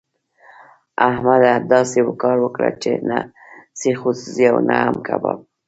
احمده! داسې کار وکړه چې نه سيخ وسوځي او نه هم کباب.